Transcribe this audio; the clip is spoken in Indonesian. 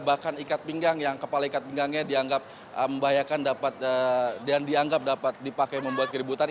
bahkan ikat pinggang yang kepala ikat pinggangnya dianggap membahayakan dan dianggap dapat dipakai membuat keributan